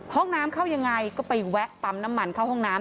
ห้องน้ำเข้ายังไงก็ไปแวะปั๊มน้ำมันเข้าห้องน้ำ